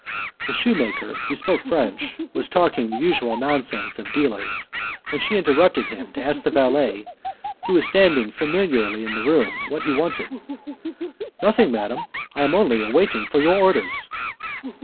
The shoemaker, who spoke French, was talking the usual nonsense of dealers, when she interrupted him to ask the valet, who was standing familiarly in the room, what he wanted. "Nothing, madam, I am only waiting for your orders."